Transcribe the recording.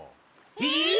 えっ！？